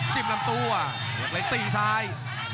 จิบลำตัวพยักเล็กเจอที่ซ้าย